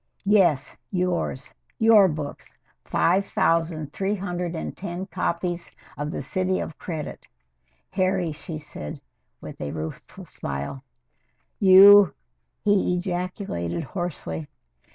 "Yes yours your books five thousand three hundred and ten copies of 'The City of Credit,' Harry," she said, with a rueful smile. "You " he ejaculated hoarsely.